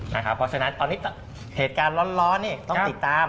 เพราะฉะนั้นตอนนี้เหตุการณ์ร้อนนี่ต้องติดตาม